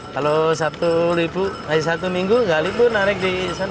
kalau sabtu minggu ngasih sabtu minggu nggak libur narik di sana